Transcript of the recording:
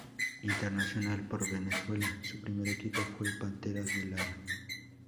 Internacional por Venezuela, su primer equipo fue Panteras de Lara.